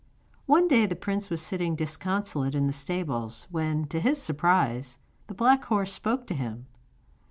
One day the prince was sitting disconsolate in the stables when, to his surprise, the black horse spoke to him.